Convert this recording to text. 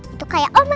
itu kayak oma